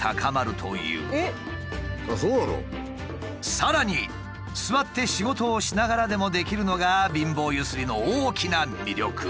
さらに座って仕事をしながらでもできるのが貧乏ゆすりの大きな魅力。